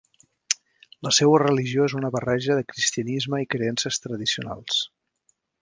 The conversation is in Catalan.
La seua religió és una barreja de cristianisme i creences tradicionals.